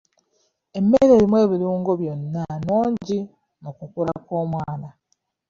Emmere erimu ebirungo byonna nnungi mu kukula kw'omwana.